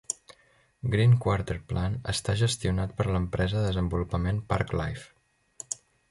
"Green Quarter Plan" està gestionat per l'empresa de desenvolupament Parc Life.